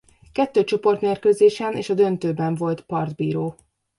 Kettő csoportmérkőzésen és a döntőben volt partbíró.